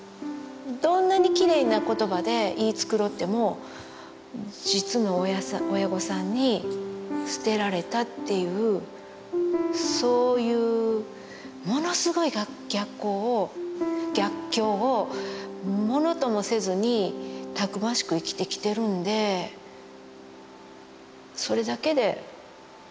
どんなにきれいな言葉で言い繕っても実の親御さんに捨てられたっていうそういうものすごい逆境をものともせずにたくましく生きてきてるんでそれだけですごい生命力を持った子やなと思います。